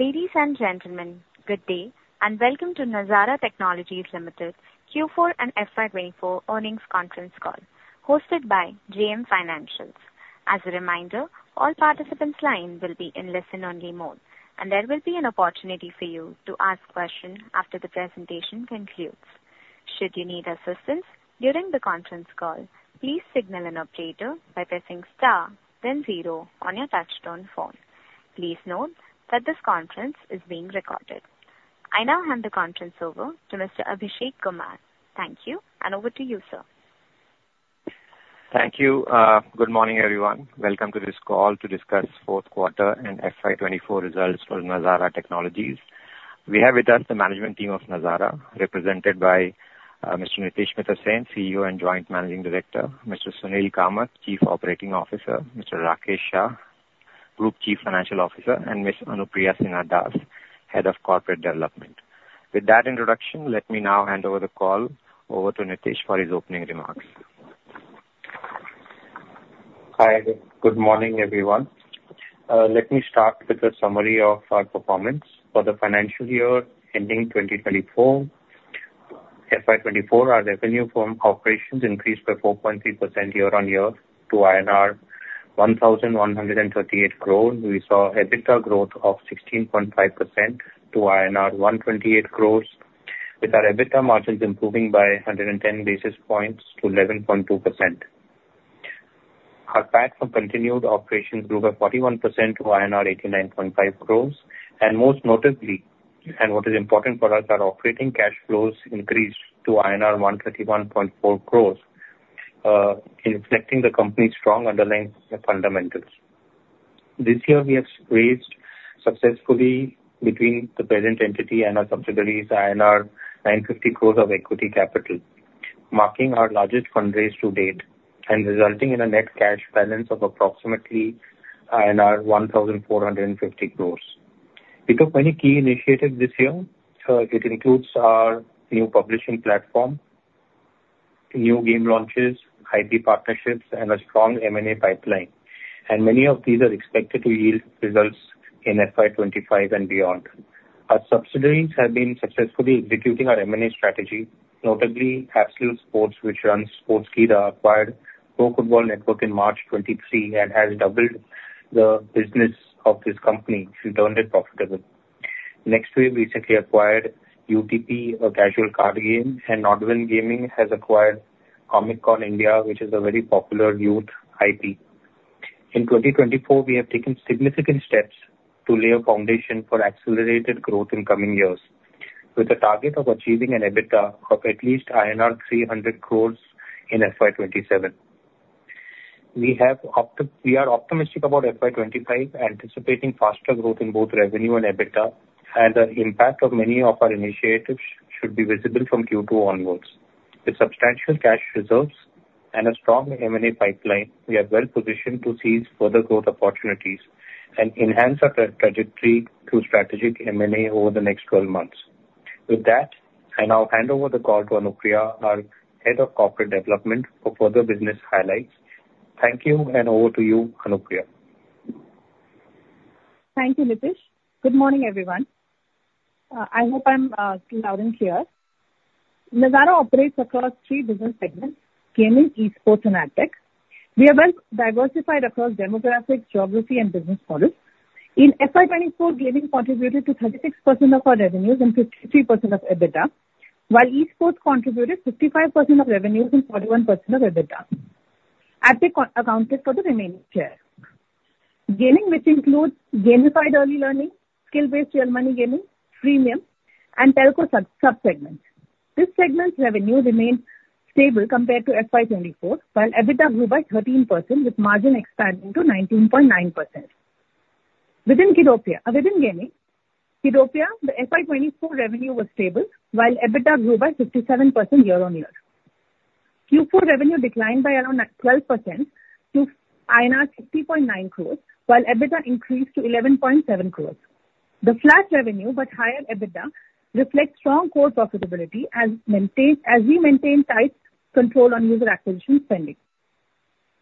Ladies and gentlemen, good day, and welcome to Nazara Technologies Limited Q4 and FY 2024 earnings conference call, hosted by JM Financial. As a reminder, all participants' lines will be in listen-only mode, and there will be an opportunity for you to ask questions after the presentation concludes. Should you need assistance during the conference call, please signal an operator by pressing star, then zero on your touchtone phone. Please note that this conference is being recorded. I now hand the conference over to Mr. Abhishek Kumar. Thank you, and over to you, sir. Thank you. Good morning, everyone. Welcome to this call to discuss fourth quarter and FY 2024 results for Nazara Technologies. We have with us the management team of Nazara, represented by Mr. Nitish Mittersain, CEO and Joint Managing Director, Mr. Sudhir Kamath, Chief Operating Officer, Mr. Rakesh Shah, Group Chief Financial Officer, and Ms. Anupriya Sinha Das, Head of Corporate Development. With that introduction, let me now hand over the call to Nitish for his opening remarks. Hi, good morning, everyone. Let me start with a summary of our performance for the financial year ending 2024. FY 2024, our revenue from operations increased by 4.3% year-on-year to INR 1,138 crore. We saw EBITDA growth of 16.5% to INR 128 crores, with our EBITDA margins improving by 110 basis points to 11.2%. Our PAT from continued operations grew by 41% to INR 89.5 crores. Most notably, and what is important for us, our operating cash flows increased to INR 131.4 crores, reflecting the company's strong underlying fundamentals. This year, we have raised successfully between the parent entity and our subsidiaries, 950 crores of equity capital, marking our largest fundraise to date and resulting in a net cash balance of approximately INR 1,450 crores. We took many key initiatives this year, it includes our new publishing platform, new game launches, IP partnerships, and a strong M&A pipeline. Many of these are expected to yield results in FY 2025 and beyond. Our subsidiaries have been successfully executing our M&A strategy, notably, Absolute Sports, which runs Sportskeeda, acquired Pro Football Network in March 2023 and has doubled the business of this company to turn it profitable. Nextwave recently acquired UTP, a casual card game, and NODWIN Gaming has acquired Comic Con India, which is a very popular youth IP. In 2024, we have taken significant steps to lay a foundation for accelerated growth in coming years, with a target of achieving an EBITDA of at least INR 300 crores in FY27. We are optimistic about FY25, anticipating faster growth in both revenue and EBITDA, and the impact of many of our initiatives should be visible from Q2 onwards. With substantial cash reserves and a strong M&A pipeline, we are well positioned to seize further growth opportunities and enhance our trajectory through strategic M&A over the next 12 months. With that, I now hand over the call to Anupriya, our Head of Corporate Development, for further business highlights. Thank you, and over to you, Anupriya. Thank you, Nitish. Good morning, everyone. I hope I'm still loud and clear. Nazara operates across three business segments: gaming, esports, and AdTech. We are well diversified across demographics, geography, and business models. In FY 2024, gaming contributed to 36% of our revenues and 53% of EBITDA, while esports contributed 55% of revenues and 41% of EBITDA. AdTech accounted for the remaining share. Gaming, which includes gamified early learning, skill-based real money gaming, freemium, and telco sub-segments. This segment's revenue remained stable compared to FY 2024, while EBITDA grew by 13%, with margin expanding to 19.9%. Within Kiddopia, within gaming, Kiddopia, the FY 2024 revenue was stable, while EBITDA grew by 57% year-on-year. Q4 revenue declined by around 12% to INR 60.9 crores, while EBITDA increased to 11.7 crores. The flat revenue, but higher EBITDA, reflects strong core profitability as we maintain tight control on user acquisition spending.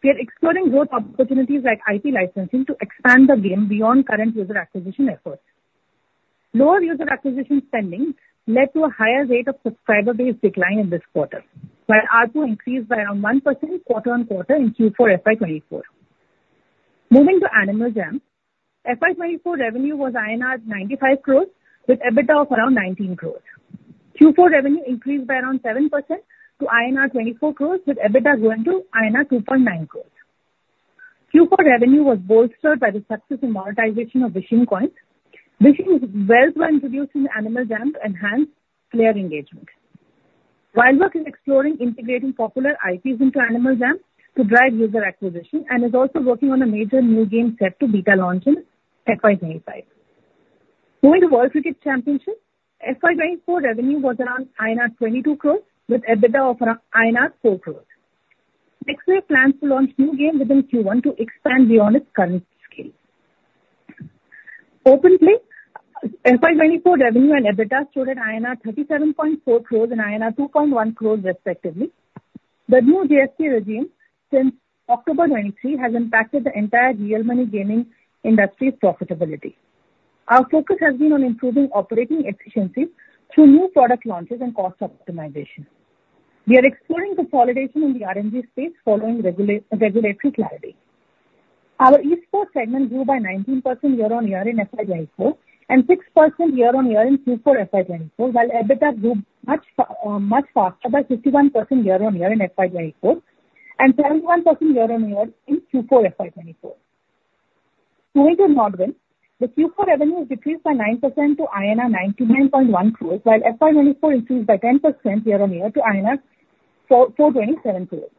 We are exploring growth opportunities like IP licensing to expand the game beyond current user acquisition efforts. Lower user acquisition spending led to a higher rate of subscriber base decline in this quarter, while ARPU increased by around 1% quarter-on-quarter in Q4 FY 2024. Moving to Animal Jam, FY 2024 revenue was INR 95 crores, with EBITDA of around 19 crores. Q4 revenue increased by around 7% to INR 24 crores, with EBITDA growing to INR 2.9 crores. Q4 revenue was bolstered by the success and monetization of Wishing Coins. Wishing Wells were introduced in Animal Jam to enhance player engagement. WildWorks is exploring integrating popular IPs into Animal Jam to drive user acquisition and is also working on a major new game set to beta launch in FY25. Moving to World Cricket Championship, FY24 revenue was around INR 22 crores, with EBITDA of around INR 4 crores. Nextwave plans to launch new game within Q1 to expand beyond its current scale. OpenPlay, FY24 revenue and EBITDA stood at INR 37.4 crores and INR 2.1 crores, respectively. The new GST regime since October 2023 has impacted the entire real money gaming industry's profitability. Our focus has been on improving operating efficiency through new product launches and cost optimization. We are exploring consolidation in the RMG space following regulatory clarity. Our esports segment grew by 19% year-on-year in FY 2024, and 6% year-on-year in Q4 FY 2024, while EBITDA grew much faster, by 51% year-on-year in FY 2024, and 31% year-on-year in Q4 FY 2024. Moving to NODWIN, the Q4 revenue decreased by 9% to INR 99.1 crores, while FY 2024 increased by 10% year-on-year to INR 427 crores.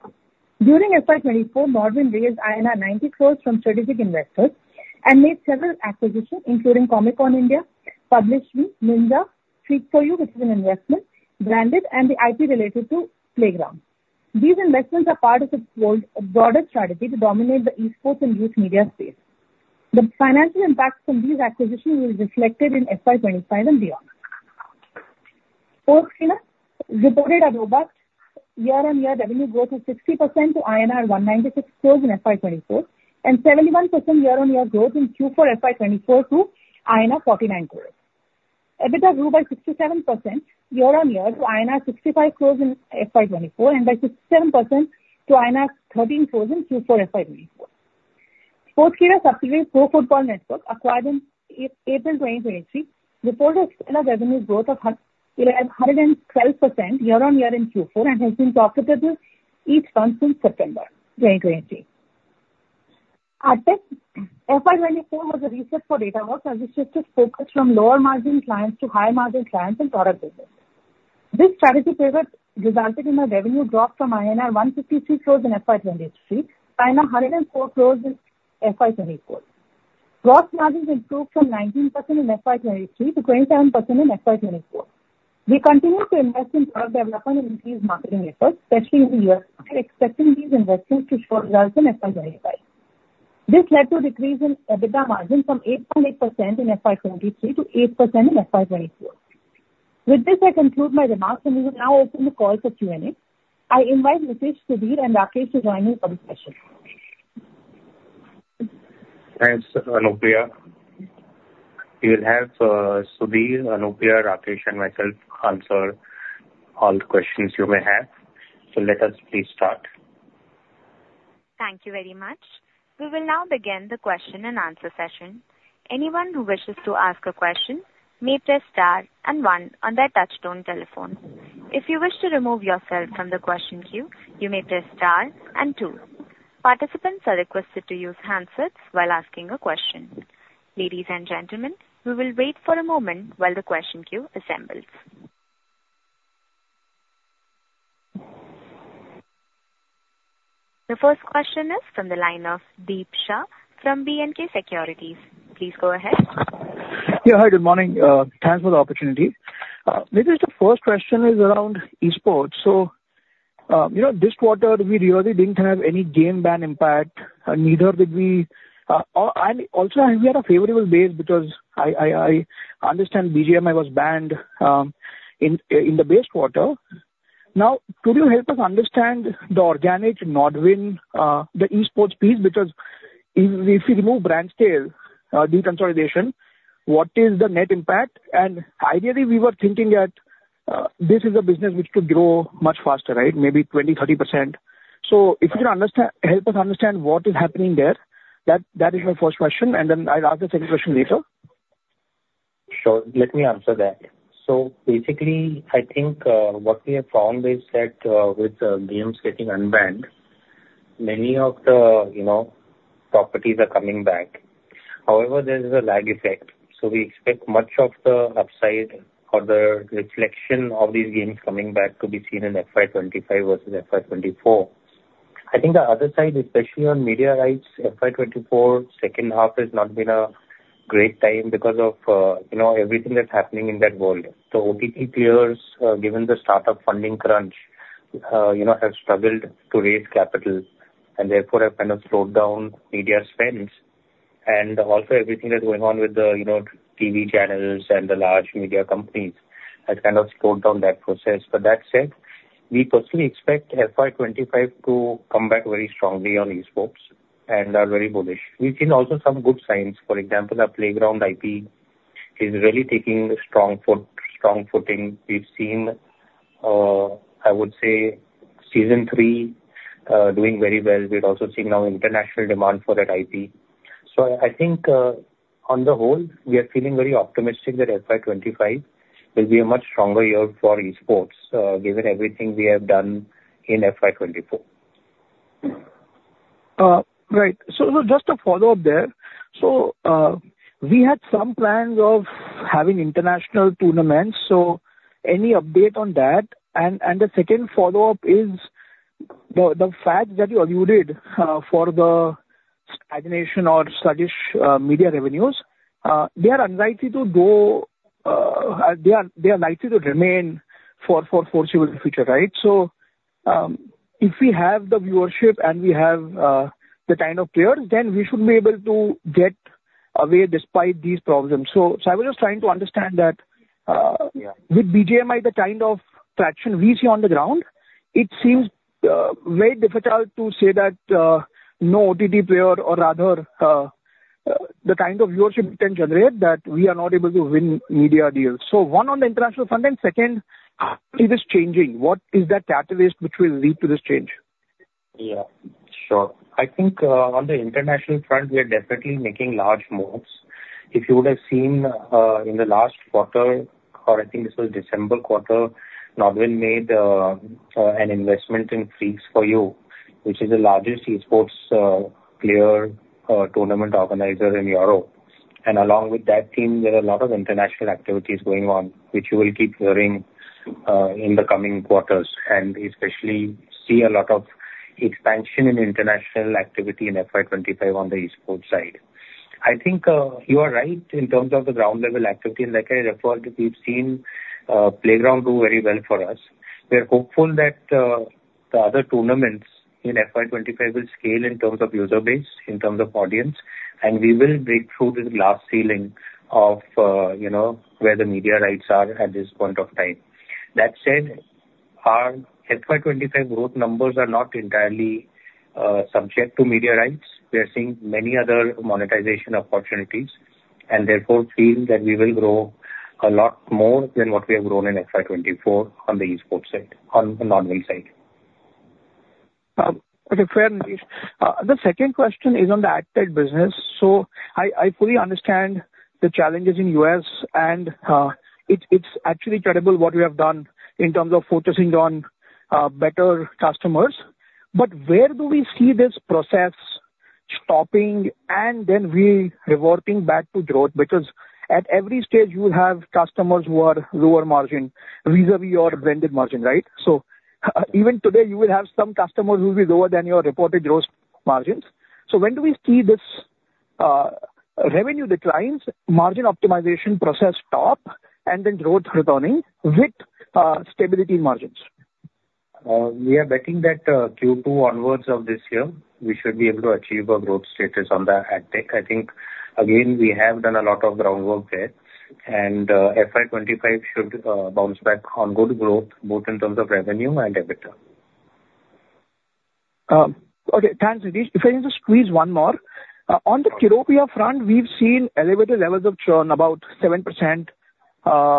During FY 2024, NODWIN raised INR 90 crores from strategic investors and made several acquisitions, including Comic Con India, PublishME, Ninja Global, Freaks 4U Gaming, which is an investment, Branded, and the IP related to Playground. These investments are part of its broad, broader strategy to dominate the esports and youth media space. The financial impact from these acquisitions will be reflected in FY 2025 and beyond. Sportskeeda reported a robust year-on-year revenue growth of 60% to INR 196 crores in FY 2024, and 71% year-on-year growth in Q4 FY 2024 to INR 49 crores. EBITDA grew by 67% year-on-year to INR 65 crores in FY 2024, and by 67% to INR 13 crores in Q4 FY 2024. Sportskeeda's subsidiary, Pro Football Network, acquired in April 2023, reported a stellar revenue growth of 112% year-on-year in Q4, and has been profitable each month since September 2023. Datawrkz, FY 2024 was a reset for Datawrkz as we shifted focus from lower margin clients to higher margin clients and product business. This strategy pivot resulted in a revenue drop from INR 153 crores in FY 2023, INR 104 crores in FY 2024. Gross margin improved from 19% in FY 2023 to 27% in FY 2024. We continue to invest in product development and increase marketing efforts, especially in the U.S., and we're expecting these investments to show results in FY 2025. This led to a decrease in EBITDA margin from 8.8% in FY 2023 to 8% in FY 2024. With this, I conclude my remarks, and we will now open the call for Q&A. I invite Nitish, Sudhir and Rakesh to join me for the session. Thanks, Anupriya. You'll have Sudhir, Anupriya, Rakesh, and myself answer all the questions you may have. Let us please start. Thank you very much. We will now begin the question and answer session. Anyone who wishes to ask a question may press star and one on their touchtone telephone. If you wish to remove yourself from the question queue, you may press star and two. Participants are requested to use handsets while asking a question. Ladies and gentlemen, we will wait for a moment while the question queue assembles. The first question is from the line of Deep Shah from B&K Securities. Please go ahead. Yeah, hi, good morning. Thanks for the opportunity. Maybe the first question is around esports. So, you know, this quarter, we really didn't have any game ban impact, neither did we... And also, we had a favorable base because I understand BGMI was banned in the base quarter. Now, could you help us understand the organic NODWIN, the esports piece? Because if you remove BrandScale deconsolidation, what is the net impact? And ideally, we were thinking that this is a business which could grow much faster, right? Maybe 20%-30%. So if you can help us understand what is happening there, that is my first question, and then I'll ask the second question later. Sure. Let me answer that. So basically, I think, what we have found is that, with games getting unbanned, many of the, you know, properties are coming back. However, there is a lag effect, so we expect much of the upside or the reflection of these games coming back to be seen in FY 25 versus FY 24. I think the other side, especially on media rights, FY 24 second half has not been a great time because of, you know, everything that's happening in that world. The OTT players, given the startup funding crunch, you know, have struggled to raise capital, and therefore, have kind of slowed down media spends. And also everything that's going on with the, you know, TV channels and the large media companies has kind of slowed down that process. But that said, we personally expect FY 25 to come back very strongly on esports and are very bullish. We've seen also some good signs. For example, our Playground IP is really taking a strong foot, strong footing. We've seen, I would say season three doing very well. We're also seeing now international demand for that IP. So I think, on the whole, we are feeling very optimistic that FY 25 will be a much stronger year for esports, given everything we have done in FY 24. Right. So, just a follow-up there. So, we had some plans of having international tournaments, so any update on that? And, the second follow-up is the fact that you alluded for the stagnation or sluggish media revenues, they are unlikely to go, they are likely to remain for foreseeable future, right? So, if we have the viewership and we have the kind of players, then we should be able to get away despite these problems. So, I was just trying to understand that. Yeah. -with BGMI, the kind of traction we see on the ground, it seems very difficult to say that no OTT player, or rather, the kind of viewership it can generate, that we are not able to win media deals. So one, on the international front, and second, how is this changing? What is that catalyst which will lead to this change? Yeah, sure. I think, on the international front, we are definitely making large moves. If you would have seen, in the last quarter, or I think this was December quarter, NODWIN made an investment in Freaks 4U, which is the largest esports player tournament organizer in Europe. And along with that team, there are a lot of international activities going on, which you will keep hearing in the coming quarters, and especially see a lot of expansion in international activity in FY 25 on the esports side. I think, you are right in terms of the ground level activity. Like I referred, we've seen Playground do very well for us. We are hopeful that the other tournaments in FY 25 will scale in terms of user base, in terms of audience, and we will break through the glass ceiling of, you know, where the media rights are at this point of time. That said, our FY 25 growth numbers are not entirely subject to media rights. We are seeing many other monetization opportunities, and therefore feel that we will grow a lot more than what we have grown in FY 24 on the esports side, on the NODWIN side. Okay, fair, Nitish. The second question is on the ad tech business. So I, I fully understand the challenges in U.S., and it's, it's actually credible what we have done in terms of focusing on better customers. But where do we see this process stopping and then re-reverting back to growth? Because at every stage, you will have customers who are lower margin, vis-à-vis your blended margin, right? So even today, you will have some customers who will be lower than your reported gross margins. So when do we see this revenue declines, margin optimization process stop, and then growth returning with stability in margins? We are betting that, Q2 onwards of this year, we should be able to achieve a growth status on the ad tech. I think, again, we have done a lot of groundwork there, and, FY 2025 should, bounce back on good growth, both in terms of revenue and EBITDA. Okay, thanks, Nitish. If I can just squeeze one more. Sure. On the Kiddopia front, we've seen elevated levels of churn, about 7%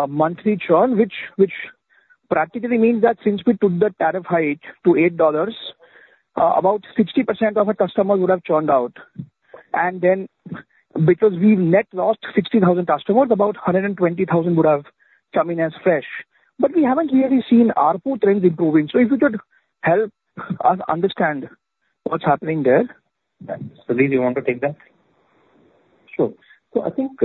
monthly churn, which practically means that since we took the tariff hike to $8, about 60% of the customers would have churned out. And then because we net lost 60,000 customers, about 120,000 would have come in as fresh, but we haven't really seen ARPU trends improving. So if you could help us understand what's happening there? Sudhir, you want to take that? Sure. So I think,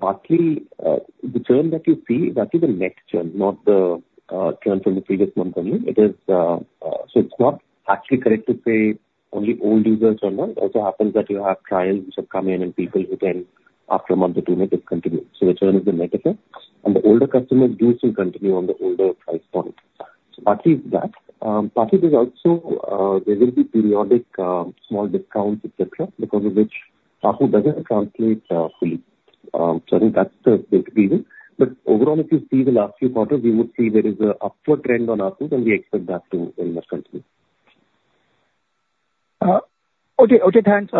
partly, the churn that you see, that is the net churn, not the, churn from the previous month only. It is, so it's not actually correct to say only old users churn out. It also happens that you have trials which are coming in, and people who then, after a month or two, may discontinue, so the churn is the net effect. And the older customers do still continue on the older price point. So partly it's that. Partly there's also, there will be periodic, small discounts, et cetera, because of which ARPU doesn't translate, fully. So I think that's the, the reason. But overall, if you see the last few quarters, we would see there is a upward trend on ARPU, and we expect that to, continue. Okay. Okay, thanks.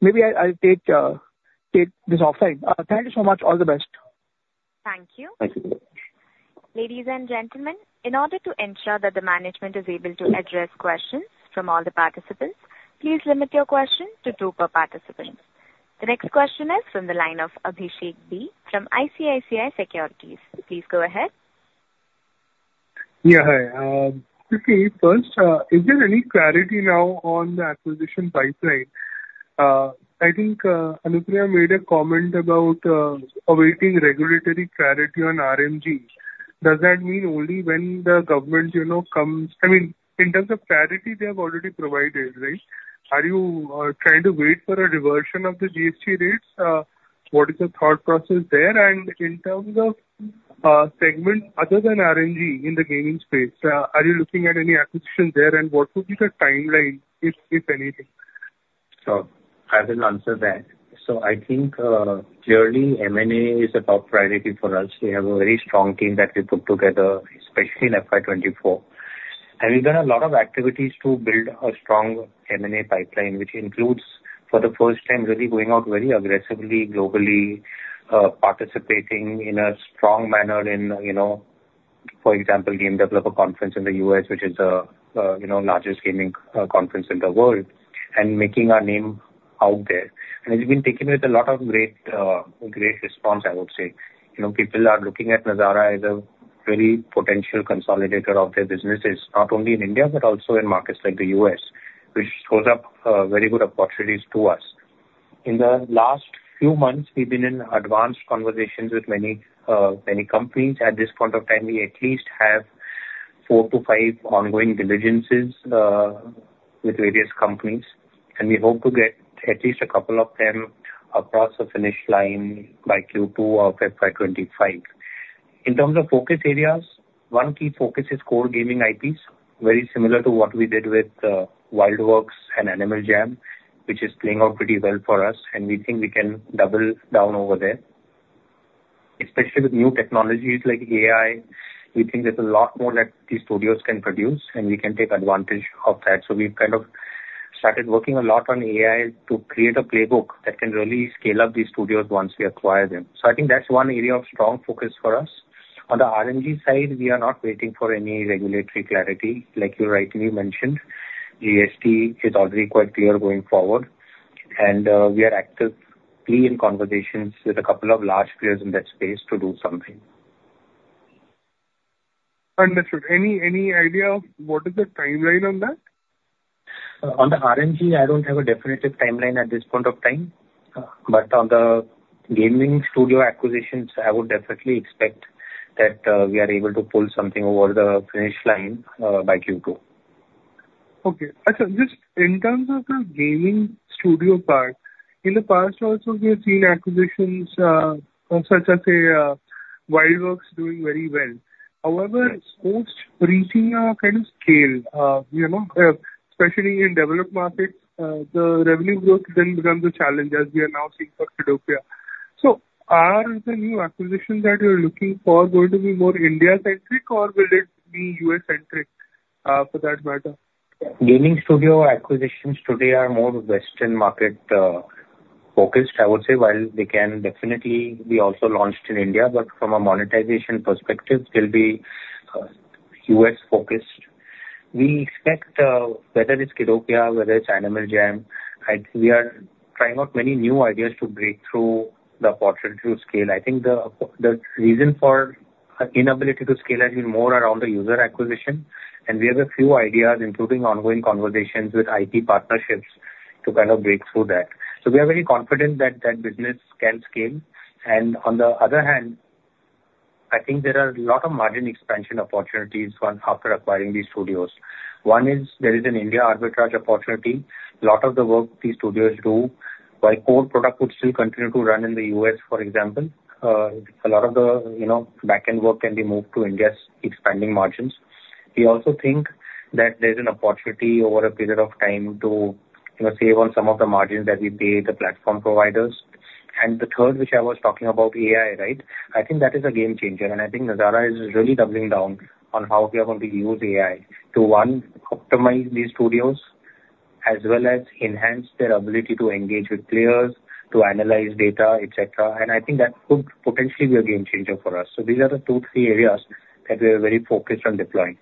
Maybe I, I'll take this offline. Thank you so much. All the best. Thank you. Thank you. Ladies and gentlemen, in order to ensure that the management is able to address questions from all the participants, please limit your questions to two per participant. The next question is from the line of Abhishek B from ICICI Securities. Please go ahead. Yeah, hi. Just first, is there any clarity now on the acquisition pipeline? I think, Anupriya made a comment about, awaiting regulatory clarity on RMG. Does that mean only when the government, you know, comes... I mean, in terms of clarity, they have already provided, right? Are you, trying to wait for a reversion of the GST rates? What is the thought process there? And in terms of, segment other than RMG in the gaming space, are you looking at any acquisition there? And what would be the timeline, if, if anything? Sure. I will answer that. So I think, clearly, M&A is a top priority for us. We have a very strong team that we put together, especially in FY 2024. And we've done a lot of activities to build a strong M&A pipeline, which includes, for the first time, really going out very aggressively globally, participating in a strong manner in, you know, for example, Game Developers Conference in the U.S., which is the, you know, largest gaming, conference in the world, and making our name out there. And it's been taken with a lot of great, great response, I would say. You know, people are looking at Nazara as a very potential consolidator of their businesses, not only in India, but also in markets like the U.S., which throws up, very good opportunities to us. In the last few months, we've been in advanced conversations with many, many companies. At this point of time, we at least have four to five ongoing diligences with various companies, and we hope to get at least a couple of them across the finish line by Q2 of FY25. In terms of focus areas, one key focus is core gaming IPs, very similar to what we did with WildWorks and Animal Jam, which is playing out pretty well for us, and we think we can double down over there. Especially with new technologies like AI, we think there's a lot more that these studios can produce, and we can take advantage of that. So we've kind of started working a lot on AI to create a playbook that can really scale up these studios once we acquire them. So I think that's one area of strong focus for us. On the RMG side, we are not waiting for any regulatory clarity, like you rightly mentioned. GST is already quite clear going forward, and we are actively in conversations with a couple of large players in that space to do something. Understood. Any idea of what is the timeline on that? On the RMG, I don't have a definitive timeline at this point of time. But on the gaming studio acquisitions, I would definitely expect that we are able to pull something over the finish line by Q2. Okay. So just in terms of the gaming studio part, in the past also, we have seen acquisitions, of such as the, WildWorks doing very well. However, post reaching a kind of scale, you know, especially in developed markets, the revenue growth then becomes a challenge, as we are now seeing for Kiddopia. So are the new acquisitions that you're looking for going to be more India-centric, or will it be U.S.-centric, for that matter? Gaming studio acquisitions today are more Western market focused, I would say, while they can definitely be also launched in India, but from a monetization perspective, they'll be US-focused. We expect, whether it's Kiddopia, whether it's Animal Jam, I think we are trying out many new ideas to break through the opportunity to scale. I think the reason for inability to scale has been more around the user acquisition, and we have a few ideas, including ongoing conversations with IT partnerships, to kind of break through that. So we are very confident that that business can scale. And on the other hand, I think there are a lot of margin expansion opportunities after acquiring these studios. One is there is an India arbitrage opportunity. A lot of the work these studios do, while core product would still continue to run in the U.S., for example, a lot of the, you know, back-end work can be moved to India, expanding margins. We also think that there's an opportunity over a period of time to, you know, save on some of the margins that we pay the platform providers. And the third, which I was talking about, AI, right? I think that is a game changer, and I think Nazara is really doubling down on how we are going to use AI to, one, optimize these studios, as well as enhance their ability to engage with players, to analyze data, et cetera. And I think that could potentially be a game changer for us. So these are the two, three areas that we are very focused on deploying.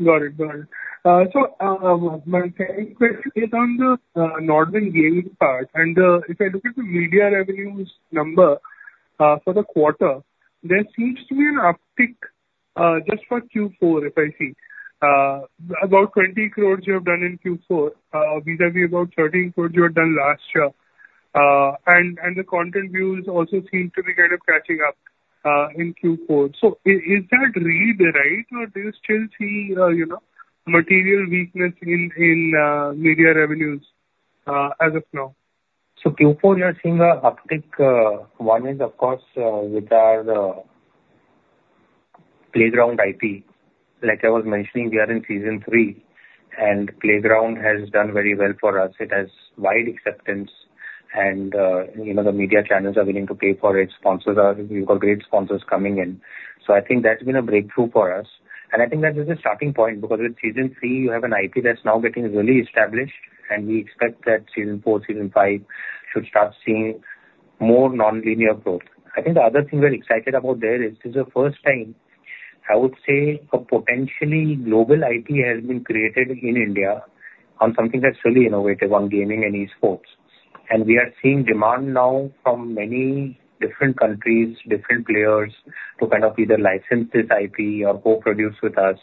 Got it, got it. So, my second question is on the NODWIN gaming part. And, if I look at the media revenues number, for the quarter, there seems to be an uptick, just for Q4, if I see. About 20 crores you have done in Q4, vis-a-vis about 13 crores you had done last year. And the content views also seem to be kind of catching up, in Q4. So is that read right, or do you still see, you know, material weakness in media revenues, as of now? So Q4, you are seeing an uptick, one is, of course, with our, Playground IP. Like I was mentioning, we are in Season three, and Playground has done very well for us. It has wide acceptance, and, you know, the media channels are willing to pay for it. Sponsors are... We've got great sponsors coming in. So I think that's been a breakthrough for us. And I think that is a starting point, because with Season three, you have an IP that's now getting really established, and we expect that Season four, Season five should start seeing more nonlinear growth. I think the other thing we're excited about there is, this is the first time, I would say, a potentially global IP has been created in India on something that's really innovative, on gaming and esports. We are seeing demand now from many different countries, different players, to kind of either license this IP or co-produce with us,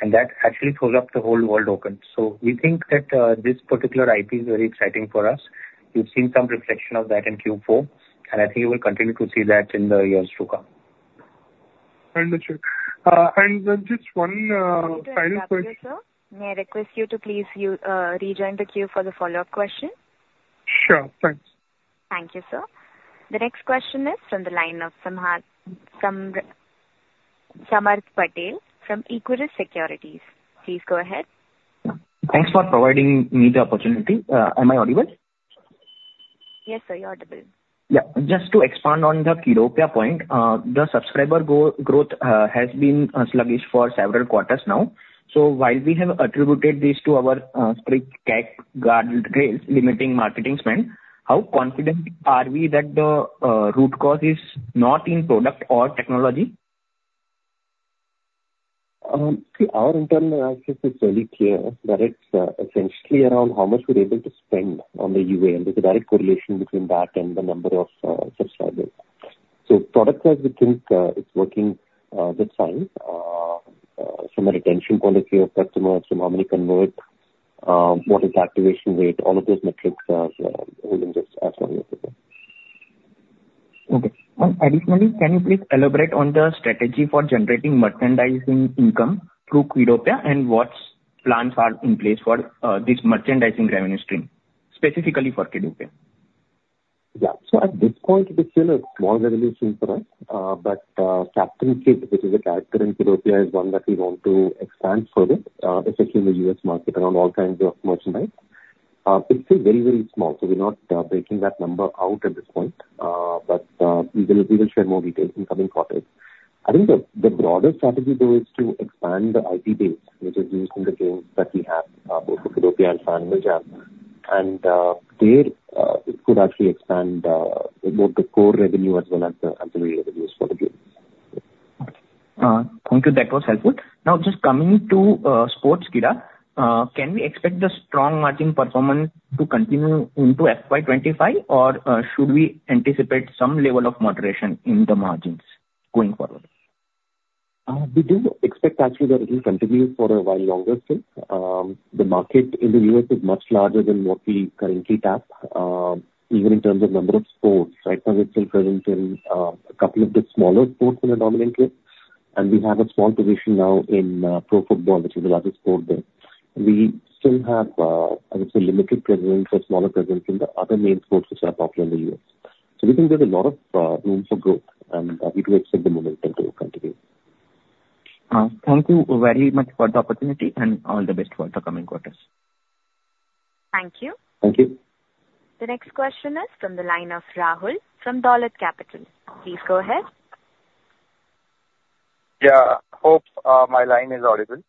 and that actually throws up the whole world open. We think that this particular IP is very exciting for us. We've seen some reflection of that in Q4, and I think you will continue to see that in the years to come. Understood. And then just one final question? Sir, may I request you to please, rejoin the queue for the follow-up question? Sure. Thanks. Thank you, sir. The next question is from the line of Samarth Patel from Equirus Securities. Please go ahead. Thanks for providing me the opportunity. Am I audible? Yes, sir, you're audible. Yeah. Just to expand on the Kiddopia point, the subscriber growth has been sluggish for several quarters now. So while we have attributed this to our strict CAPEX guardrails limiting marketing spend, how confident are we that the root cause is not in product or technology? See, our internal analysis is very clear that it's essentially around how much we're able to spend on the UA, and there's a direct correlation between that and the number of subscribers. So product-wise, we think it's working that fine. From a retention point of view of customers, from how many convert, what is the activation rate, all of those metrics are holding just as well as we expect. Okay. Additionally, can you please elaborate on the strategy for generating merchandising income through Kiddopia, and what plans are in place for this merchandising revenue stream, specifically for Kiddopia?... Yeah. So at this point, it's still a small revenue stream for us. But, Captain Kidd, which is a character in Kiddopia, is one that we want to expand further, especially in the US market, around all kinds of merchandise. It's still very, very small, so we're not breaking that number out at this point. But, we will share more details in coming quarters. I think the broader strategy, though, is to expand the IP base, which is used in the games that we have, both for Kiddopia and Animal Jam. And, there, it could actually expand both the core revenue as well as the ancillary revenues for the game. Thank you. That was helpful. Now, just coming to Sportskeeda, can we expect the strong margin performance to continue into FY 25, or should we anticipate some level of moderation in the margins going forward? We do expect actually that it will continue for a while longer still. The market in the U.S. is much larger than what we currently tap, even in terms of number of sports. Right now, we're still present in a couple of the smaller sports in a dominant way, and we have a small position now in pro football, which is the largest sport there. We still have, I would say, limited presence or smaller presence in the other main sports which are popular in the U.S. So we think there's a lot of room for growth, and we do expect the momentum to continue. Thank you very much for the opportunity, and all the best for the coming quarters. Thank you. Thank you. The next question is from the line of Rahul from Dolat Capital. Please go ahead. Yeah. Hope my line is audible.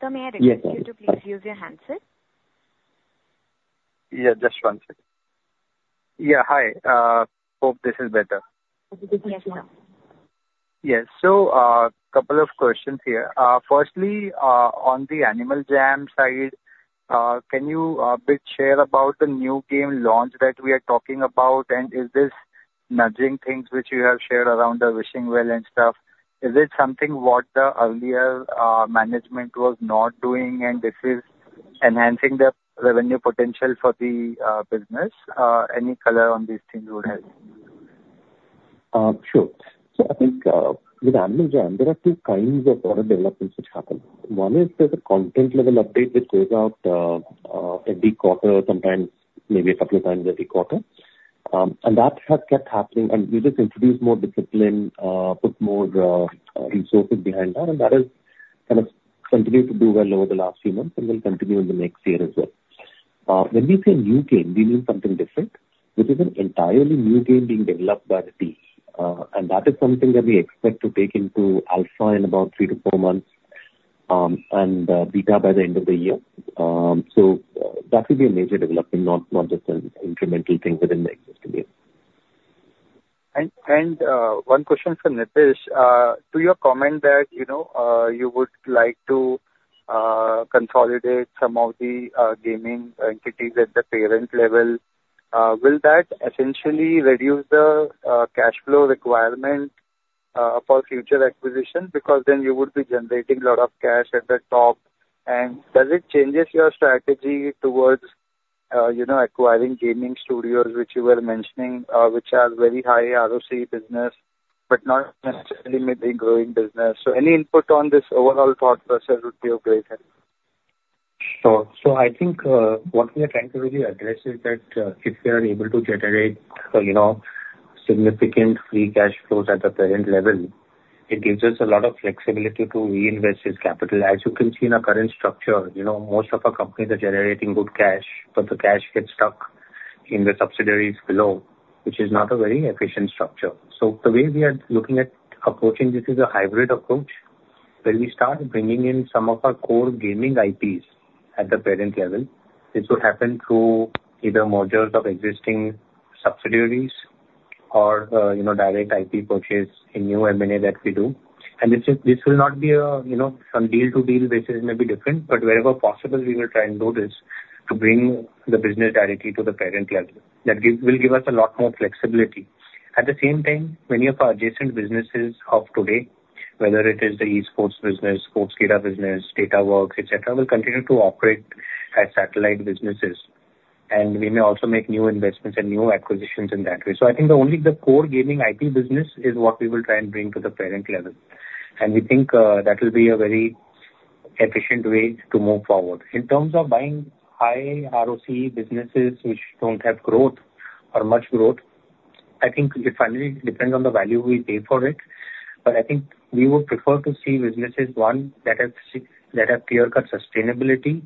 Sir, may I request you- Yes. to please use your handset? Yeah, just one second. Yeah, hi. Hope this is better. It is yes, now. Yes. So, couple of questions here. Firstly, on the Animal Jam side, can you bit share about the new game launch that we are talking about? And is this nudging things which you have shared around the Wishing Well and stuff, is it something what the earlier management was not doing, and this is enhancing the revenue potential for the business? Any color on these things would help. Sure. So I think, with Animal Jam, there are two kinds of product developments which happen. One is there's a content-level update which goes out, every quarter, sometimes maybe a couple times every quarter. And that has kept happening, and we just introduced more discipline, put more resources behind that, and that has kind of continued to do well over the last few months and will continue in the next year as well. When we say new game, we mean something different. This is an entirely new game being developed by the team, and that is something that we expect to take into alpha in about three to four months, and beta by the end of the year. So that will be a major development, not just an incremental thing within the existing game. One question for Nitish. To your comment that, you know, you would like to consolidate some of the gaming entities at the parent level, will that essentially reduce the cash flow requirement for future acquisitions? Because then you would be generating a lot of cash at the top. And does it changes your strategy towards, you know, acquiring gaming studios, which you were mentioning, which are very high ROC business, but not necessarily may be growing business? So any input on this overall thought process would be of great help. Sure. I think what we are trying to really address is that if we are able to generate, you know, significant free cash flows at the parent level, it gives us a lot of flexibility to reinvest this capital. As you can see in our current structure, you know, most of our companies are generating good cash, but the cash gets stuck in the subsidiaries below, which is not a very efficient structure. The way we are looking at approaching this is a hybrid approach, where we start bringing in some of our core gaming IPs at the parent level. This would happen through either modules of existing subsidiaries or, you know, direct IP purchase in new M&A that we do. This is, this will not be a, you know... From deal to deal, this is maybe different, but wherever possible, we will try and do this to bring the business directly to the parent level. That will give us a lot more flexibility. At the same time, many of our adjacent businesses of today, whether it is the esports business, Sportskeeda business, Datawrkz, et cetera, will continue to operate as satellite businesses, and we may also make new investments and new acquisitions in that way. So I think only the core gaming IP business is what we will try and bring to the parent level, and we think that will be a very efficient way to move forward. In terms of buying high ROC businesses which don't have growth or much growth, I think it finally depends on the value we pay for it. I think we would prefer to see businesses, one, that have clear-cut sustainability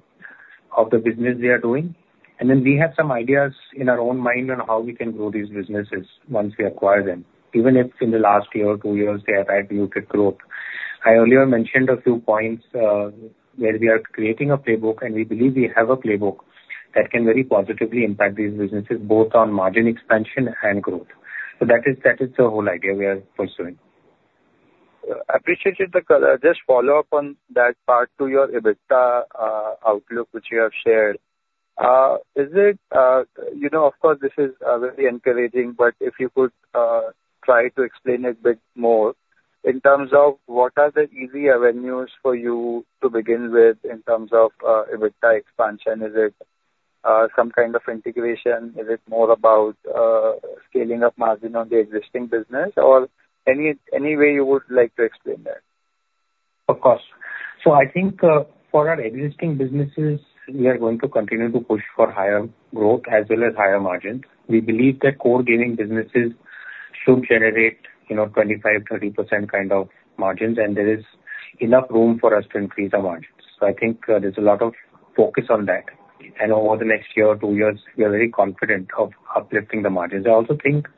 of the business they are doing. Then we have some ideas in our own mind on how we can grow these businesses once we acquire them, even if in the last year or two years, they have had muted growth. I earlier mentioned a few points, where we are creating a playbook, and we believe we have a playbook that can very positively impact these businesses, both on margin expansion and growth. That is, that is the whole idea we are pursuing. Appreciated the color. Just follow up on that part to your EBITDA outlook, which you have shared. Is it... You know, of course, this is very encouraging, but if you could try to explain a bit more in terms of what are the easy avenues for you to begin with in terms of EBITDA expansion? Is it some kind of integration? Is it more about scaling up margin on the existing business, or any way you would like to explain that? Of course. So I think, for our existing businesses, we are going to continue to push for higher growth as well as higher margins. We believe that core gaming businesses should generate, you know, 25%-30% kind of margins, and there is enough room for us to increase our margins. So I think, there's a lot of focus on that. And over the next year or two years, we are very confident of uplifting the margins. I also think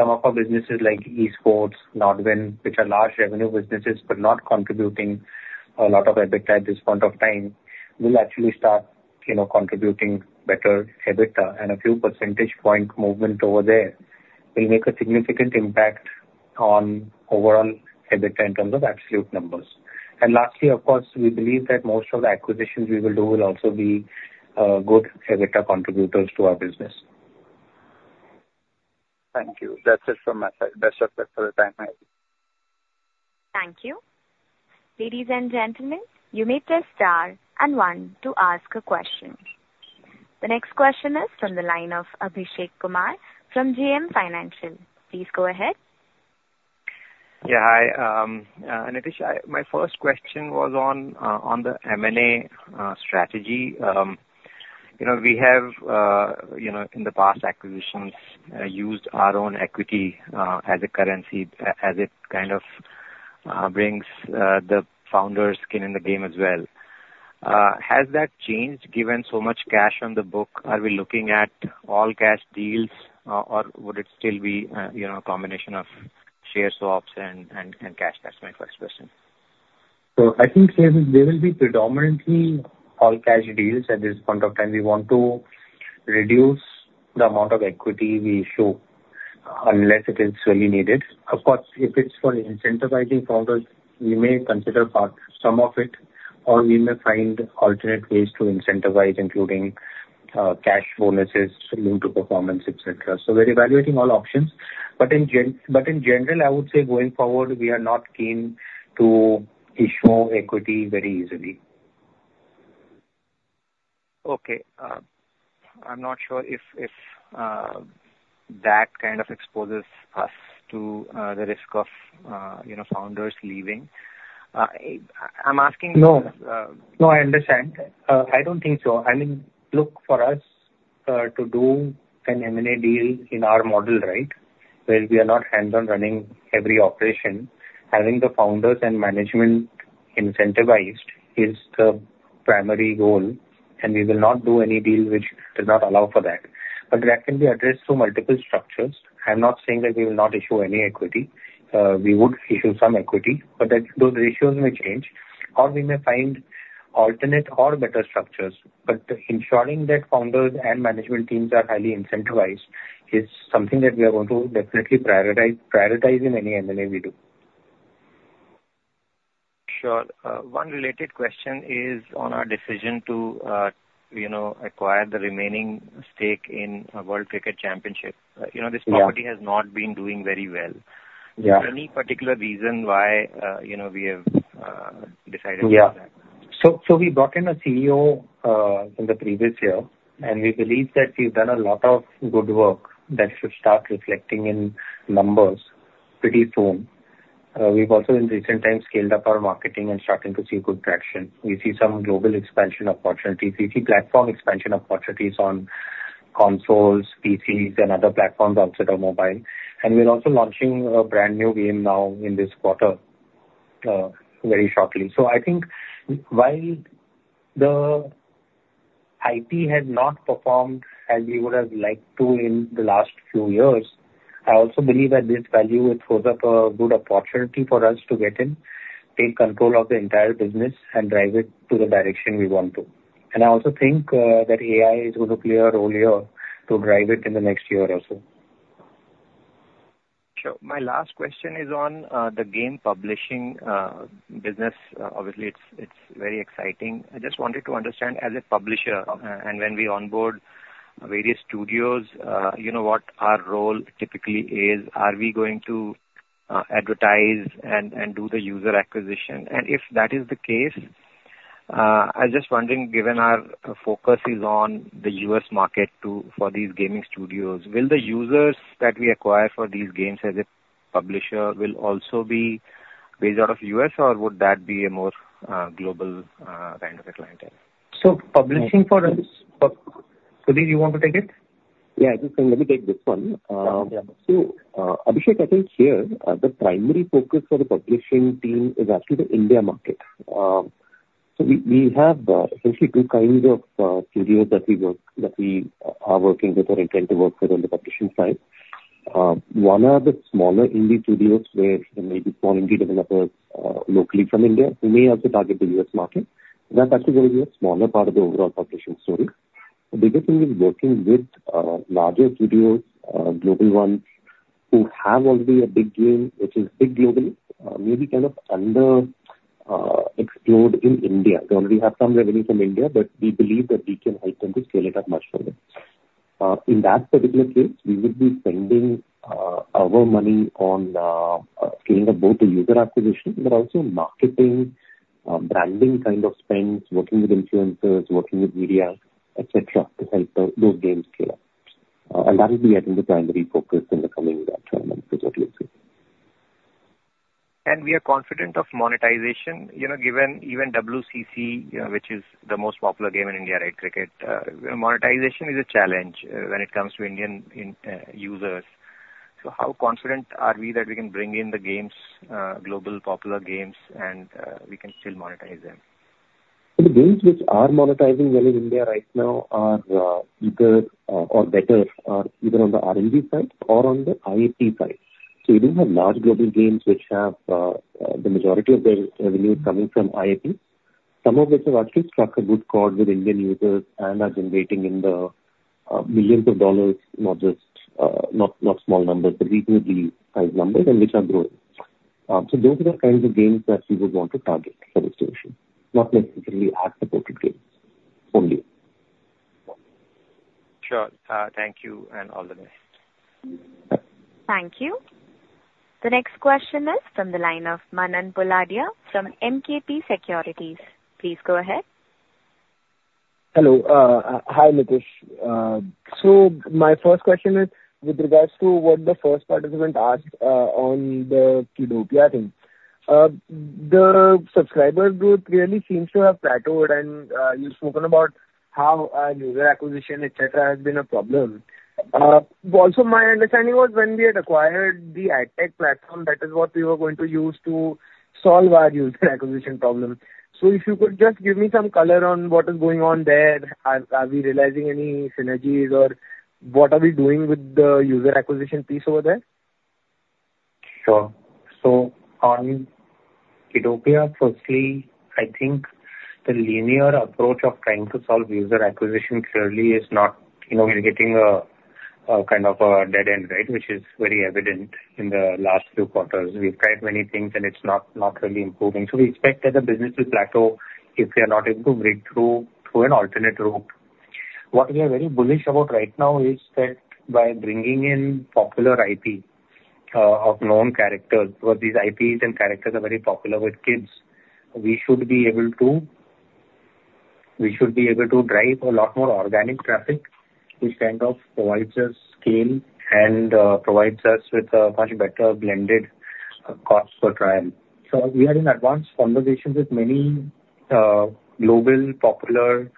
some of our businesses, like Esports, NODWIN, which are large revenue businesses but not contributing a lot of EBITDA at this point of time, will actually start, you know, contributing better EBITDA, and a few percentage point movement over there will make a significant impact on overall EBITDA in terms of absolute numbers. Lastly, of course, we believe that most of the acquisitions we will do will also be good EBITDA contributors to our business. Thank you. That's it from my side. That's it for the time being. Thank you. Ladies and gentlemen, you may press star and one to ask a question. The next question is from the line of Abhishek Kumar from JM Financial. Please go ahead. Yeah, hi. Nitish, my first question was on the M&A strategy. You know, we have, you know, in the past acquisitions used our own equity as a currency, as it kind of brings the founders skin in the game as well. Has that changed, given so much cash on the book? Are we looking at all cash deals, or would it still be, you know, a combination of share swaps and cash? That's my first question. So I think there will be predominantly all cash deals at this point of time. We want to reduce the amount of equity we show, unless it is really needed. Of course, if it's for incentivizing founders, we may consider part some of it, or we may find alternate ways to incentivize, including cash bonuses linked to performance, et cetera. So we're evaluating all options, but in general, I would say going forward, we are not keen to issue equity very easily. Okay. I'm not sure if that kind of exposes us to, you know, founders leaving. I'm asking- No. Uh- No, I understand. I don't think so. I mean, look, for us, to do an M&A deal in our model, right, where we are not hands-on running every operation, having the founders and management incentivized is the primary goal, and we will not do any deal which does not allow for that. But that can be addressed through multiple structures. I'm not saying that we will not issue any equity. We would issue some equity, but that, those ratios may change, or we may find alternate or better structures. But ensuring that founders and management teams are highly incentivized is something that we are going to definitely prioritize, prioritize in any M&A we do. Sure. One related question is on our decision to, you know, acquire the remaining stake in, World Cricket Championship. You know- Yeah... this property has not been doing very well. Yeah. Any particular reason why, you know, we have decided to do that? Yeah. So, so we brought in a CEO in the previous year, and we believe that we've done a lot of good work that should start reflecting in numbers pretty soon. We've also, in recent times, scaled up our marketing and starting to see good traction. We see some global expansion opportunities. We see platform expansion opportunities on consoles, PCs and other platforms outside of mobile. And we're also launching a brand-new game now in this quarter, very shortly. So I think while the IP has not performed as we would have liked to in the last few years, I also believe that this value, it throws up a good opportunity for us to get in, take control of the entire business and drive it to the direction we want to. I also think that AI is going to play a role here to drive it in the next year or so. Sure. My last question is on the game publishing business. Obviously, it's very exciting. I just wanted to understand, as a publisher, and when we onboard various studios, you know, what our role typically is. Are we going to advertise and do the user acquisition? And if that is the case, I'm just wondering, given our focus is on the US market to... for these gaming studios, will the users that we acquire for these games as a publisher will also be based out of U.S., or would that be a more global kind of a clientele? So, publishing for us, but Sudhir, you want to take it? Yeah, I think let me take this one. Yeah. So, Abhishek, I think here, the primary focus for the publishing team is actually the India market. So we have essentially two kinds of studios that we are working with or intend to work with on the publishing side. One are the smaller indie studios, where maybe small indie developers locally from India, who may also target the US market. That actually going to be a smaller part of the overall publishing story. The bigger thing is working with larger studios, global ones, who have already a big game, which is big globally, maybe kind of under explored in India. They already have some revenue from India, but we believe that we can help them to scale it up much further. In that particular case, we would be spending our money on scaling up both the user acquisition, but also marketing, branding kind of spends, working with influencers, working with media, et cetera, to help those games scale up.... and that will be, I think, the primary focus in the coming, 12 months which I've listed. We are confident of monetization, you know, given even WCC, which is the most popular game in India, right, cricket, monetization is a challenge, when it comes to Indian users. So how confident are we that we can bring in the games, global popular games, and we can still monetize them? The games which are monetizing well in India right now are either or better, are either on the RMG side or on the IAP side. So we do have large global games which have the majority of their revenue coming from IAP. Some of which have actually struck a good chord with Indian users and are generating in the dollar millions, not just not small numbers, but reasonably high numbers, and which are growing. So those are the kinds of games that we would want to target for this solution, not necessarily ad-supported games only. Sure. Thank you and all the best. Thank you. The next question is from the line of Manan Poladia from MKP Securities. Please go ahead. Hello. Hi, Nitish. So my first question is with regards to what the first participant asked on the Kiddopia thing. The subscriber growth really seems to have plateaued, and you've spoken about how our user acquisition, et cetera, has been a problem. But also my understanding was when we had acquired the AdTech platform, that is what we were going to use to solve our user acquisition problem. So if you could just give me some color on what is going on there. Are we realizing any synergies, or what are we doing with the user acquisition piece over there? Sure. So on Kiddopia, firstly, I think the linear approach of trying to solve user acquisition clearly is not, you know, we're getting a kind of dead end, right? Which is very evident in the last few quarters. We've tried many things, and it's not really improving. So we expect that the business will plateau if we are not able to break through to an alternate route. What we are very bullish about right now is that by bringing in popular IP of known characters, where these IPs and characters are very popular with kids, we should be able to, we should be able to drive a lot more organic traffic, which kind of provides us scale and provides us with a much better blended cost per trial. So we are in advanced conversations with many global popular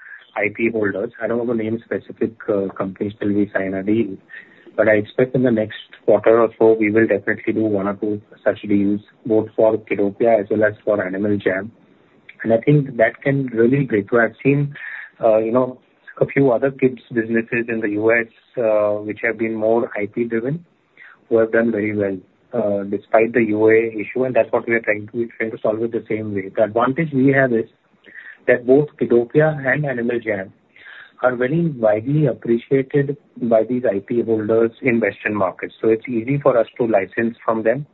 IP holders. I don't know the name of specific companies till we sign a deal, but I expect in the next quarter or so, we will definitely do one or two such deals, both for Kiddopia as well as for Animal Jam. I think that can really break through. I've seen, you know, a few other kids' businesses in the U.S., which have been more IP-driven, who have done very well, despite the UA issue, and that's what we are trying to, we're trying to solve it the same way. The advantage we have is that both Kiddopia and Animal Jam are very widely appreciated by these IP holders in Western markets, so it's easy for us to license from them,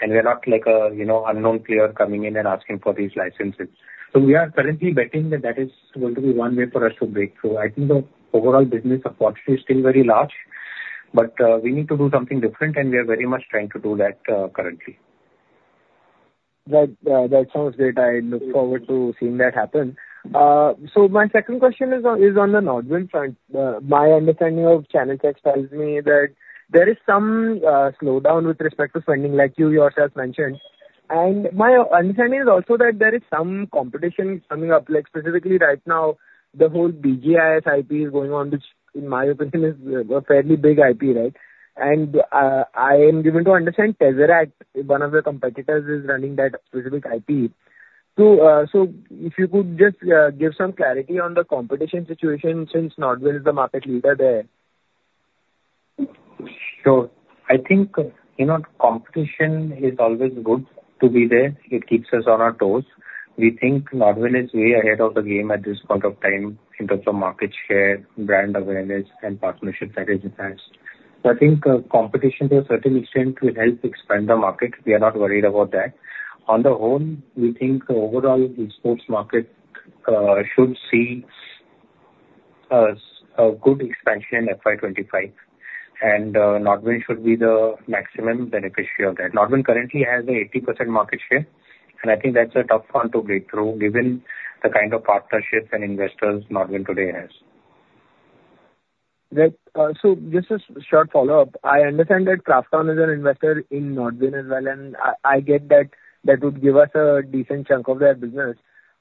and we are not like a, you know, unknown player coming in and asking for these licenses. We are currently betting that that is going to be one way for us to break through. I think the overall business opportunity is still very large, but we need to do something different, and we are very much trying to do that currently. Right. That sounds great. I look forward to seeing that happen. So my second question is on the NODWIN front. My understanding of Channel Check tells me that there is some slowdown with respect to spending, like you yourself mentioned. And my understanding is also that there is some competition coming up, like specifically right now, the whole BGIS IP is going on, which in my opinion, is a fairly big IP, right? And I am given to understand Tesseract, one of the competitors, is running that specific IP. So if you could just give some clarity on the competition situation since NODWIN is the market leader there. Sure. I think, you know, competition is always good to be there. It keeps us on our toes. We think NODWIN is way ahead of the game at this point of time in terms of market share, brand awareness, and partnerships that it has. So I think, competition to a certain extent will help expand the market. We are not worried about that. On the whole, we think overall the sports market, should see us a good expansion in FY 2025, and, NODWIN should be the maximum beneficiary of that. NODWIN currently has an 80% market share, and I think that's a tough one to break through, given the kind of partnerships and investors NODWIN today has. Right. So just a short follow-up. I understand that Krafton is an investor in Nodwin as well, and I, I get that that would give us a decent chunk of their business.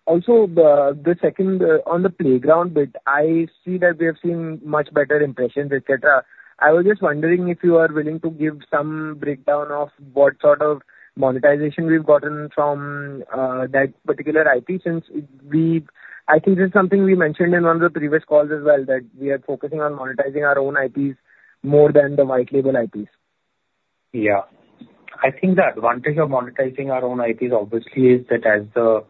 Also, the, the second, on the Playground bit, I see that we have seen much better impressions, et cetera. I was just wondering if you are willing to give some breakdown of what sort of monetization we've gotten from, that particular IP, since we... I think this is something we mentioned in one of the previous calls as well, that we are focusing on monetizing our own IPs more than the white label IPs. Yeah. I think the advantage of monetizing our own IPs obviously, is that as the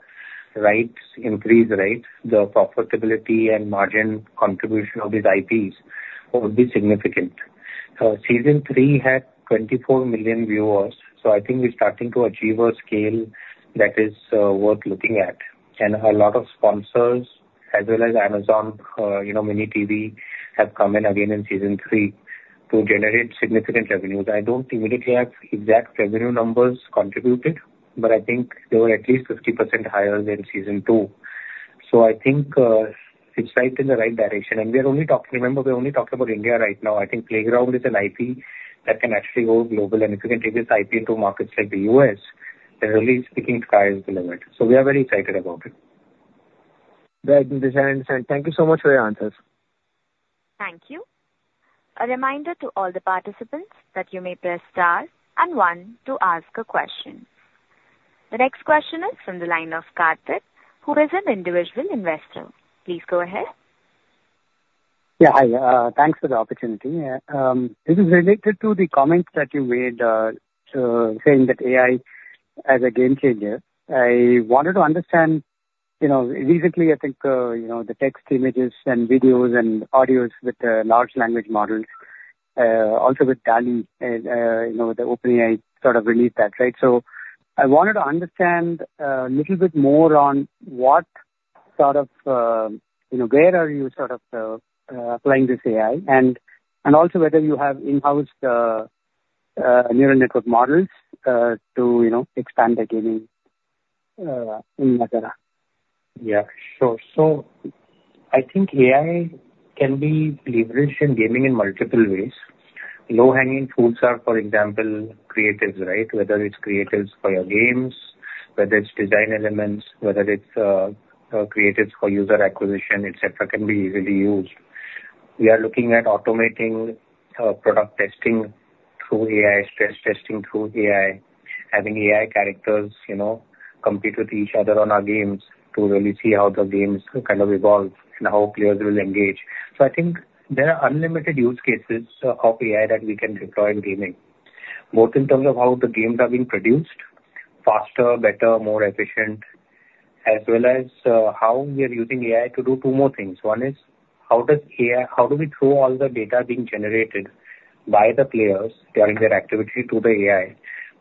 rights increase, right, the profitability and margin contribution of these IPs would be significant. Season three had 24 million viewers, so I think we're starting to achieve a scale that is worth looking at. And a lot of sponsors, as well as Amazon, you know, miniTV, have come in again in season three to generate significant revenues. I don't immediately have exact revenue numbers contributed, but I think they were at least 50% higher than season two.... So I think, it's right in the right direction, and we are only talking, remember, we're only talking about India right now. I think Playground is an IP that can actually go global, and if you can take this IP into markets like the U.S., then really speaking, sky is the limit. So we are very excited about it. Great. This I understand. Thank you so much for your answers. Thank you. A reminder to all the participants that you may press Star and One to ask a question. The next question is from the line of Carter, who is an individual investor. Please go ahead. Yeah, hi, thanks for the opportunity. This is related to the comments that you made, saying that AI as a game changer. I wanted to understand, you know, recently, I think, you know, the text images and videos and audios with large language models, also with DALL-E, you know, the OpenAI sort of released that, right? So I wanted to understand, little bit more on what sort of, you know, where are you sort of applying this AI, and also whether you have in-house neural network models to, you know, expand the gaming agenda? Yeah, sure. So I think AI can be leveraged in gaming in multiple ways. Low-hanging fruits are, for example, creatives, right? Whether it's creatives for your games, whether it's design elements, whether it's creatives for user acquisition, et cetera, can be easily used. We are looking at automating product testing through AI, stress testing through AI, having AI characters, you know, compete with each other on our games to really see how the games kind of evolve and how players will engage. So I think there are unlimited use cases of AI that we can deploy in gaming, both in terms of how the games are being produced, faster, better, more efficient, as well as how we are using AI to do two more things. One is, how does AI—how do we throw all the data being generated by the players during their activity to the AI,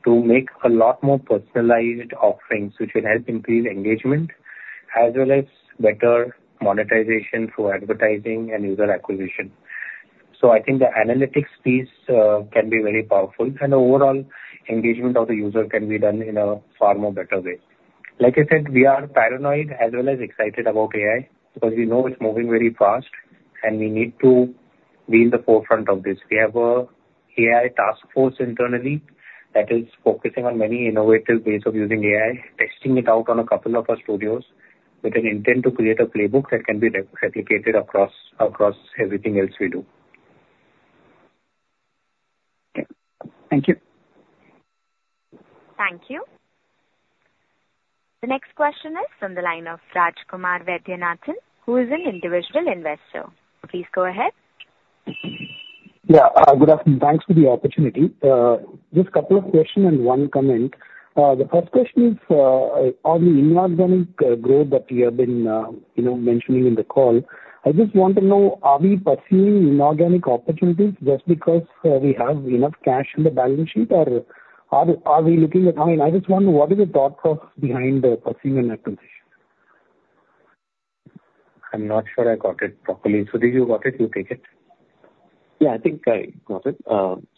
to make a lot more personalized offerings, which will help increase engagement as well as better monetization through advertising and user acquisition. So I think the analytics piece can be very powerful, and overall engagement of the user can be done in a far more better way. Like I said, we are paranoid as well as excited about AI, because we know it's moving very fast, and we need to be in the forefront of this. We have an AI task force internally that is focusing on many innovative ways of using AI, testing it out on a couple of our studios, with an intent to create a playbook that can be replicated across everything else we do. Okay. Thank you. Thank you. The next question is from the line of Raj Kumar Vaidyanathan, who is an individual investor. Please go ahead. Yeah, good afternoon. Thanks for the opportunity. Just couple of questions and one comment. The first question is on the inorganic growth that you have been, you know, mentioning in the call. I just want to know, are we pursuing inorganic opportunities just because we have enough cash in the balance sheet, or are we looking at... I mean, I just want to know, what is the thought pro- behind pursuing an acquisition? I'm not sure I got it properly. Sudhir, you got it? You take it. Yeah, I think I got it.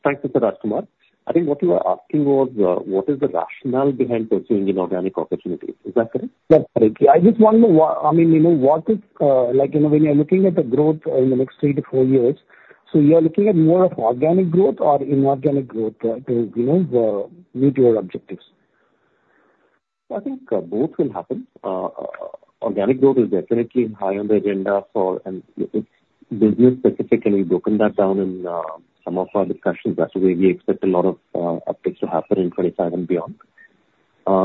Thanks, Mr. Raj Kumar. I think what you are asking was, what is the rationale behind pursuing inorganic opportunities? Is that correct? Yes, correct. I just want to know what—I mean, you know, what is, like, you know, when you are looking at the growth in the next three to four years, so you are looking at more of organic growth or inorganic growth, to, you know, meet your objectives? I think, both will happen. Organic growth is definitely high on the agenda for, and business specifically, we've broken that down in, some of our discussions. That's where we expect a lot of, upticks to happen in 2027 and beyond.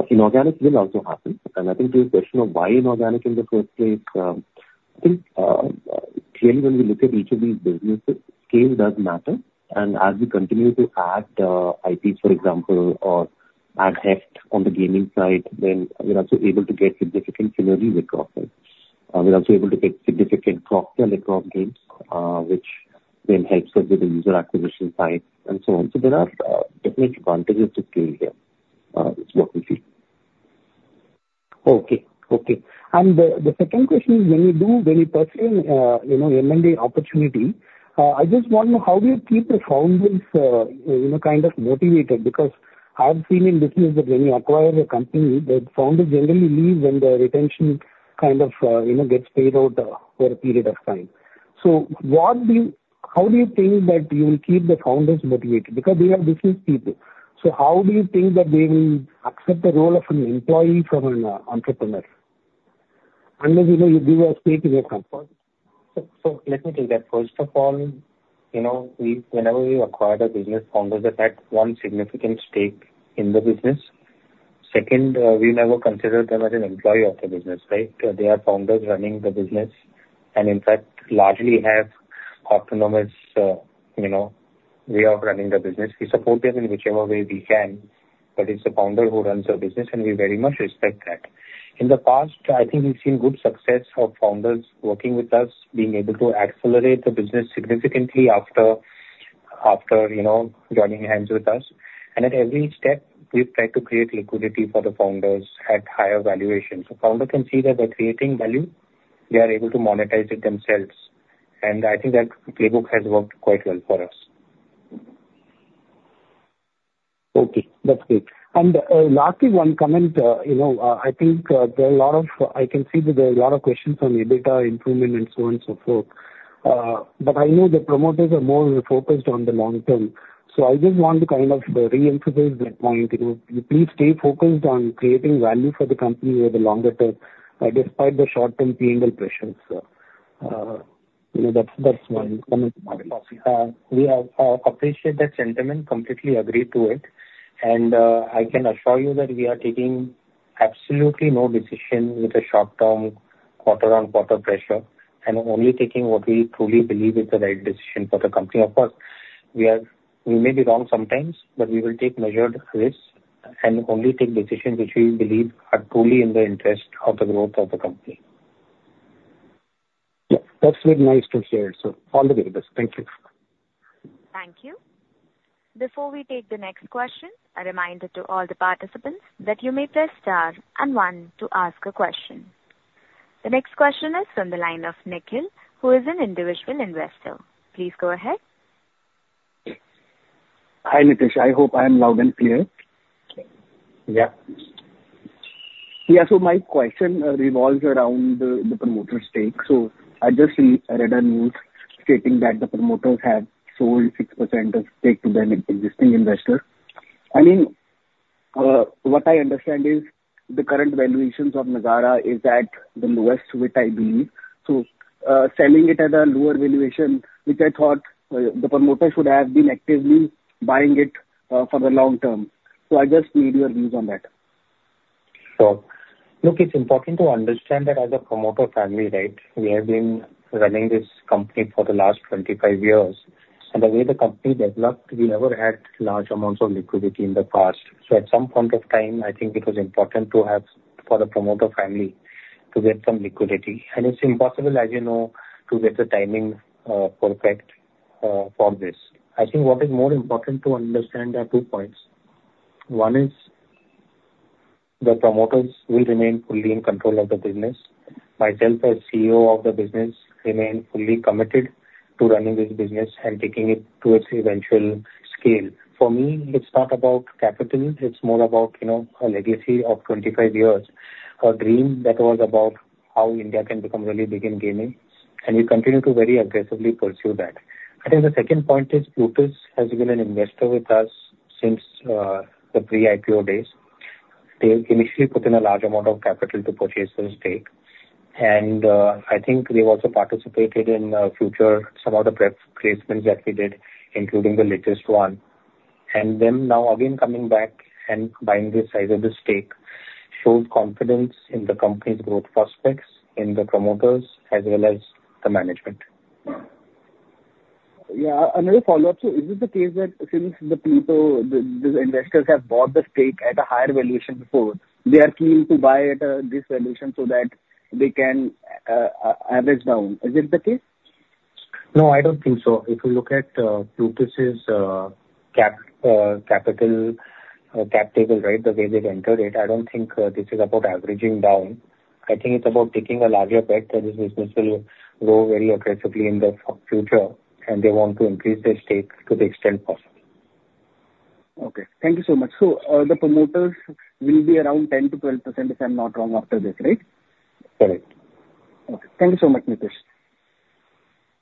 Inorganic will also happen, and I think the question of why inorganic in the first place, I think, clearly, when we look at each of these businesses, scale does matter. And as we continue to add, IPs, for example, or add heft on the gaming side, then we're also able to get significant synergies with cross sell. We're also able to get significant cross-sell across games, which then helps us with the user acquisition side and so on. So there are, definite advantages to scale here, is what we feel. Okay, okay. And the second question is, when you're pursuing, you know, M&A opportunity, I just want to know, how do you keep the founders, you know, kind of motivated? Because I've seen in business that when you acquire a company, the founders generally leave when the retention kind of, you know, gets paid out, for a period of time. So what do you... How do you think that you will keep the founders motivated? Because they are business people, so how do you think that they will accept the role of an employee from an, entrepreneur? Unless, you know, you give a stake in the company. So, so let me take that. First of all, you know, we, whenever we acquire the business, founders have had one significant stake in the business. Second, we never consider them as an employee of the business, right? They are founders running the business, and in fact, largely have autonomous, you know, way of running the business. We support them in whichever way we can, but it's the founder who runs the business, and we very much respect that. In the past, I think we've seen good success of founders working with us, being able to accelerate the business significantly after, after, you know, joining hands with us. And at every step, we've tried to create liquidity for the founders at higher valuations. Founder can see that they're creating value, they are able to monetize it themselves, and I think that playbook has worked quite well for us.... Okay, that's great. And, lastly, one comment, you know, I think, there are a lot of—I can see that there are a lot of questions on EBITDA improvement and so on and so forth. But I know the promoters are more focused on the long term, so I just want to kind of reemphasize that point. You know, please stay focused on creating value for the company over the longer term, despite the short-term P&L pressures. You know, that's one of my thoughts. We appreciate that sentiment, completely agree to it, and I can assure you that we are taking absolutely no decision with the short-term, quarter-on-quarter pressure, and only taking what we truly believe is the right decision for the company. Of course, we may be wrong sometimes, but we will take measured risks and only take decisions which we believe are truly in the interest of the growth of the company. Yeah, that's very nice to hear, so all the very best. Thank you. Thank you. Before we take the next question, a reminder to all the participants that you may press star and one to ask a question. The next question is from the line of Nikhil, who is an individual investor. Please go ahead. Hi, Nitish. I hope I am loud and clear. Yeah. Yeah, so my question revolves around the promoter stake. So I just see, I read a news stating that the promoters have sold 6% of stake to an existing investor. I mean, what I understand is the current valuations of Nazara is at the lowest to date, I believe. So, selling it at a lower valuation, which I thought, the promoter should have been actively buying it, for the long term. So I just need your views on that. So, look, it's important to understand that as a promoter family, right, we have been running this company for the last 25 years, and the way the company developed, we never had large amounts of liquidity in the past. So at some point of time, I think it was important to have, for the promoter family, to get some liquidity. And it's impossible, as you know, to get the timing, perfect, for this. I think what is more important to understand are two points. One is, the promoters will remain fully in control of the business. Myself, as CEO of the business, remain fully committed to running this business and taking it towards the eventual scale. For me, it's not about capital, it's more about, you know, a legacy of 25 years. A dream that was about how India can become really big in gaming, and we continue to very aggressively pursue that. I think the second point is, Plutus has been an investor with us since the pre-IPO days. They initially put in a large amount of capital to purchase the stake, and I think they also participated in future some of the pre-placements that we did, including the latest one. And them now again coming back and buying this sizable stake shows confidence in the company's growth prospects, in the promoters, as well as the management. Yeah. Another follow-up. So is it the case that since the people, the investors have bought the stake at a higher valuation before, they are keen to buy at this valuation so that they can average down? Is it the case? No, I don't think so. If you look at Plutus's cap table, right? The way they've entered it, I don't think this is about averaging down. I think it's about taking a larger bet that this business will grow very aggressively in the future, and they want to increase their stake to the extent possible. Okay, thank you so much. So, the promoters will be around 10%-12%, if I'm not wrong, after this, right? Correct. Okay. Thank you so much, Nitish.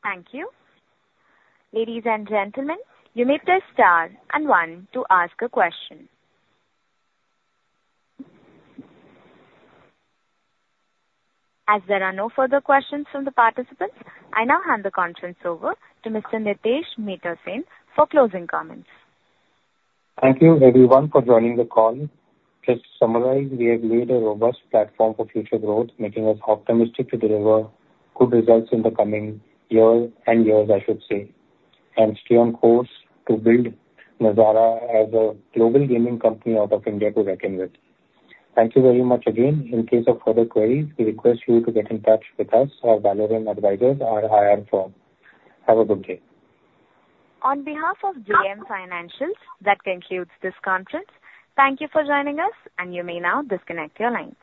Thank you. Ladies and gentlemen, you may press star and one to ask a question. As there are no further questions from the participants, I now hand the conference over to Mr. Nitish Mittersain, for closing comments. Thank you everyone for joining the call. Just to summarize, we have made a robust platform for future growth, making us optimistic to deliver good results in the coming years and years, I should say. Stay on course to build Nazara as a global gaming company out of India to reckon with. Thank you very much again. In case of further queries, we request you to get in touch with us or Valorem Advisors, our IR firm. Have a good day. On behalf of JM Financial, that concludes this conference. Thank you for joining us, and you may now disconnect your line.